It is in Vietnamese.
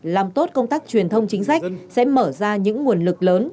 làm tốt công tác truyền thông chính sách sẽ mở ra những nguồn lực lớn